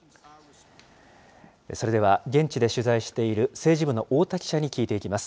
それでは、現地で取材している政治部の太田記者に聞いていきます。